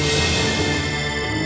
aku akan menangkapmu